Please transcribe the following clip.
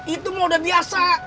itu mode biasa